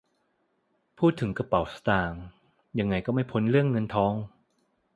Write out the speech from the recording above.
พูดถึงกระเป๋าสตางค์ยังไงก็หนีไม่พ้นเรื่องเงินทอง